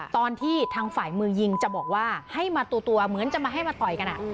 ตอนที่ทางฝ่ายมือยิงจะบอกว่าให้มาตัวเหมือนจะมาให้มาต่อยกัน